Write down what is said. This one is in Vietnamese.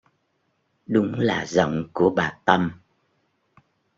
Đúng là giọng của bà Tâm